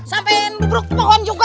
sampai buruk pohon juga